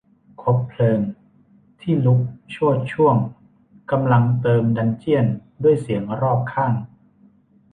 คบเพลิงที่ลุกโชติช่วงกำลังเติมดันเจี้ยนด้วยเสียงรอบข้าง